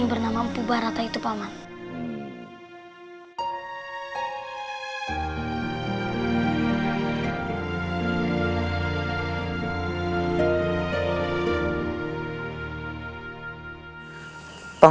yang bernama mpubarata itu paman pengapun tenki aku tidak melihat adanya perubahan sikap yang